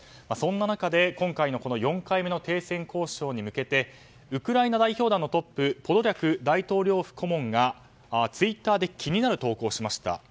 そんな中で今回の４回目の停戦交渉に向けてウクライナ代表団のトップポドリャク大統領府顧問がツイッターで気になる投稿をしました。